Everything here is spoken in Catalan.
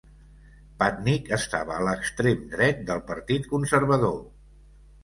Patnick estava a l'extrem dret del Partit Conservador.